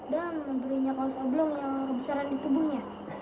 dan memberinya kaos oblong yang kebesaran di tubuhnya